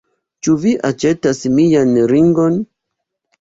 Ĉu vi aĉetas mian ringon?